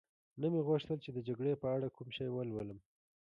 نه مې غوښتل چي د جګړې په اړه کوم شی ولولم.